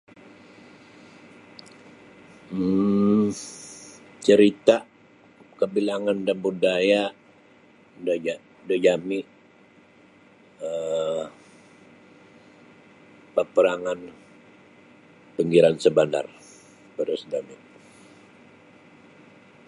um Cerita kabilangan da budaya da ja-da jami um paparangan panggiran Shahbandar Padas Damit.